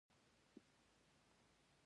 د نجونو تعلیم د ښځو عاید لوړوي.